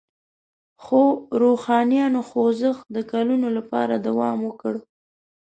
خو روښانیانو خوځښت د کلونو لپاره دوام وکړ.